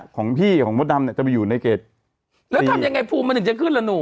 ของพี่ของมดดำเนี่ยจะไปอยู่ในเกรดแล้วทำยังไงภูมิมันถึงจะขึ้นล่ะหนู